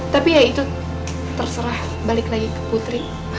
tapi ya itu terserah balik lagi ke putri